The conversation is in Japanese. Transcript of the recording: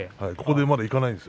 ここで、まだいかないんです。